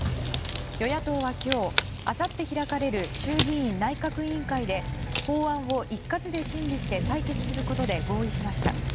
与野党は今日、あさって開かれる衆議院内閣委員会で法案を一括で審議して採決することで合意しました。